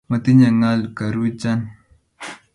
Motinyte ngal karuchan